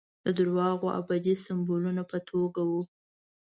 د درواغو د ابدي سمبولونو په توګه وو.